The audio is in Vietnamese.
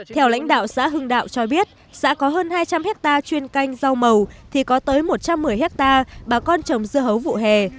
theo lãnh đạo xã hưng đạo cho biết xã có hơn hai trăm linh hectare chuyên canh rau màu thì có tới một trăm một mươi hectare bà con trồng dưa hấu vụ hè